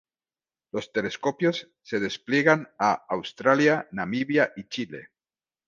Los telescopios se despliegan a Australia, Namibia y Chile.